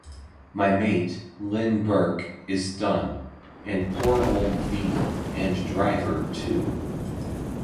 My mate, Len Burke, is done, and poor old V. and Driver too.